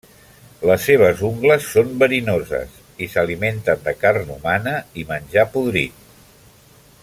Les seves ungles són verinoses i s'alimenten de carn humana i menjar podrit.